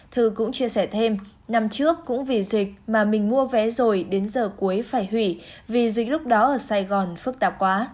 thư cũng chia sẻ thêm năm trước cũng vì dịch mà mình mua vé rồi đến giờ cuối phải hủy vì dịch lúc đó ở sài gòn phức tạp quá